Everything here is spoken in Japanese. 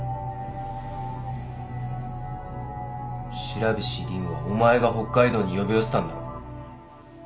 白菱凜はお前が北海道に呼び寄せたんだろ。